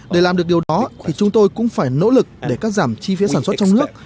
để làm được điều đó thì chúng tôi cũng phải nỗ lực để cắt giảm chi phí sản xuất trong nước